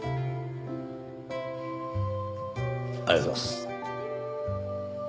ありがとうございます。